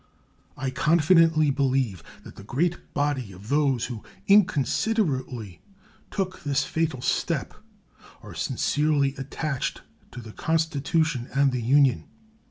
I confidently believe that the great body of those who inconsiderately took this fatal step are sincerely attached to the Constitution and the Union.